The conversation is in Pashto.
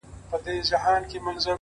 هره هڅه د راتلونکي تخم دی